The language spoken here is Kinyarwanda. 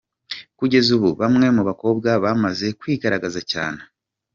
Kugeza ubu bamwe mu bakobwa bamaze kwigaragaza cyane.